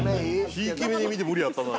ひいき目に見ても無理やったな。